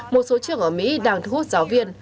một số trường ở mỹ đang thu hút giáo viên